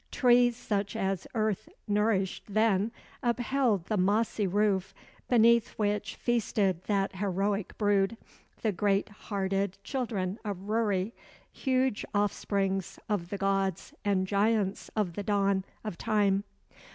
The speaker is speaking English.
Trees such as earth nourished then upheld the mossy roof beneath which feasted that heroic brood, the great hearted children of Rury, huge offsprings of the gods and giants of the dawn of time.